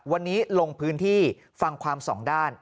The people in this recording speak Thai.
วันนี้ลงพื้นที่ฟังความสองด้าน